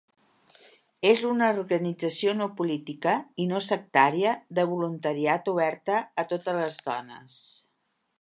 És una organització no política i no sectària de voluntariat oberta a totes les dones.